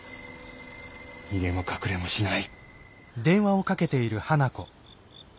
逃げも隠れもしない。